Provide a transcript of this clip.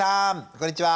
こんにちは。